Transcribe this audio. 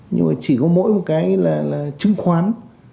nhưng mà chỉ có mỗi một cái là chứng khoán